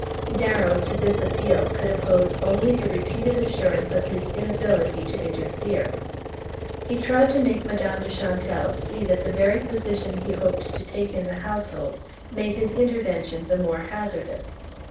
Darrow, to this appeal, could oppose only the repeated assurance of his inability to interfere. He tried to make Madame de Chantelle see that the very position he hoped to take in the household made his intervention the more hazardous.